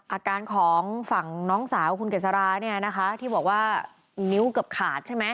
อาการของฝั่งน้องสาวขุนเกสราเนี่ยที่บอกว่านิ้วกลับขาดใช่มั้ย